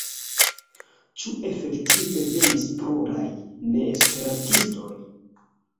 Ĉu efektive venis pluraj neesperantistoj?